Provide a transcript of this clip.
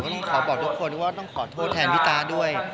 ต้องขอบอกทุกคนว่าต้องขอโทษแทนพี่ตาด้วย